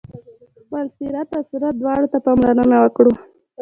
خپل سیرت او صورت دواړو ته پاملرنه وکړه.